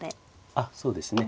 あっそうですね。